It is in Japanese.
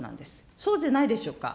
そうじゃないでしょうか。